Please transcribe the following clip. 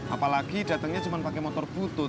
apalagi datangnya cuma pakai motor butut